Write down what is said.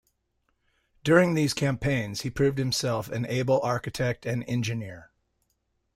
During these campaigns he proved himself an able architect and engineer.